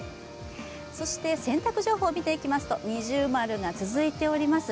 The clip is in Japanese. そして洗濯情報を見ていきますと、二重丸が続いています。